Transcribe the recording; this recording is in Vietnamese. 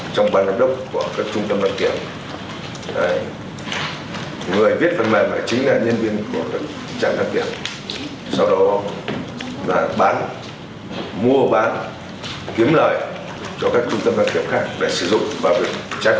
cho các trung tâm đăng kiểm khác để sử dụng vào mục đích trái pháp luật